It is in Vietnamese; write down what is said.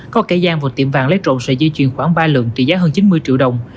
có cây gian và tiệm vàng lấy trộm sẽ di chuyển khoảng ba lượng trị giá hơn chín mươi triệu đồng